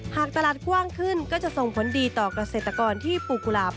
หากตลาดกว้างขึ้นก็จะส่งผลดีต่อเกษตรกรที่ปลูกกุหลาบ